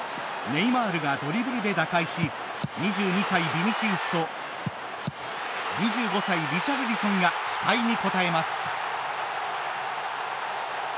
ネイマールがドリブルで打開し２２歳、ビニシウスと２５歳、リシャルリソンが期待に応えます。